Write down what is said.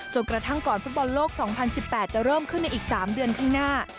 กระทั่งก่อนฟุตบอลโลก๒๐๑๘จะเริ่มขึ้นในอีก๓เดือนข้างหน้า